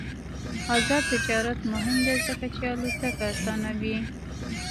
آزاد تجارت مهم دی ځکه چې الوتکې اسانوي.